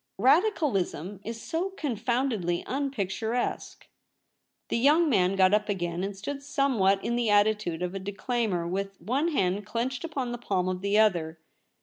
Radicalism is so confoundedly un picturesque.' The young man got up again and stood somewhat in the attitude of a declaimer, with one hand clenched upon the palm of the other.